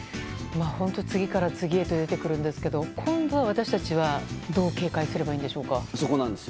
本当に次から次へと出てくるんですけど今度は私たちはどう警戒すればいいんでしょうか。